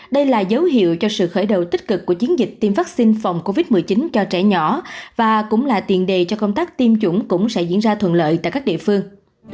đây là dấu hiệu cho sự khởi đầu tích cực của chiến dịch tiêm vaccine phòng covid một mươi chín cho trẻ nhỏ và cũng là tiền đề cho công tác tiêm chủng cũng sẽ diễn ra thuận lợi tại các địa phương